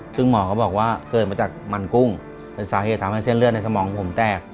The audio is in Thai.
ซึ่งหมอเขาบอกว่าเกิดมาจากมันกุ้งเป็นสาเหตุทำให้เส้นเลือดในสมองผมแตก